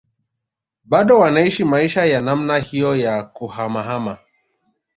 Bado wanaishi maisha ya namna hiyo ya kuhamahama